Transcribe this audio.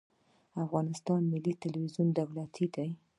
د افغانستان ملي تلویزیون دولتي دی